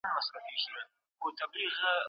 مشران به د جګړې د ښکيلو غاړو ترمنځ منځګړيتوب کوي.